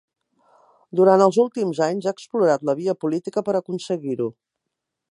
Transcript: Durant els últims anys ha explorat la via política per aconseguir-ho.